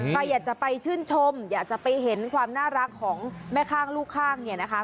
ใครอยากจะไปชื่นชมอยากจะไปเห็นความน่ารักของแม่ข้างลูกข้างเนี่ยนะคะ